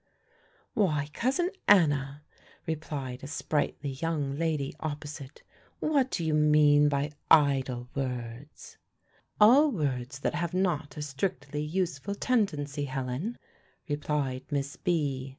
"Why, Cousin Anna," replied a sprightly young lady opposite, "what do you mean by idle words?" "All words that have not a strictly useful tendency, Helen," replied Miss B.